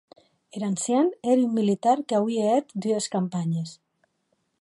Er ancian ère un militar qu'auie hèt dues campanhes.